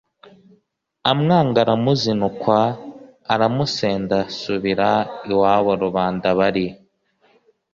amwanga aramuzinukwa, aramusenda asubira iwabo. Rubanda bari